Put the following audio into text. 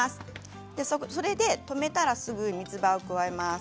止めたらすぐにみつばを加えます。